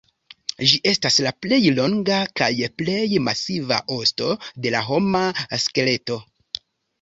Ĝi estas la plej longa kaj plej masiva osto de la homa skeleto.